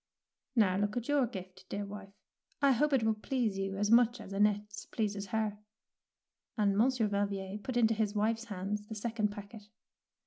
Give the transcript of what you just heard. "Now look at your gift, dear wife. I hope it will please you as much as Annette's pleases her"; and Monsieur Valvier put into his wife's hands the second packet.